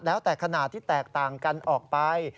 แล้วแต่ขนาดที่แตกต่างกันออกไป